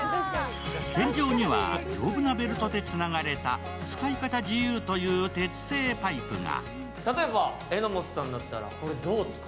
天井には丈夫なベルトで作られた使い方自由という鉄製パイプが。